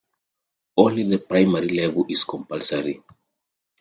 Only the primary level is compulsory.